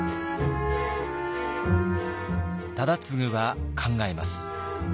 忠次は考えます。